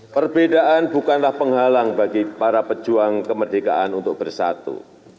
perbedaan bukanlah penghalang bagi para pejuang kemerdekaan untuk bersatu